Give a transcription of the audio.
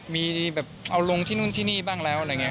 มีแบบเอาลงที่นู่นที่นี่บ้างแล้วอะไรอย่างนี้